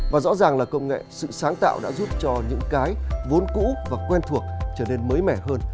và rõ ràng là công nghệ sự sáng tạo đã giúp cho những cái vốn cũ và quen thuộc trở nên mới mẻ hơn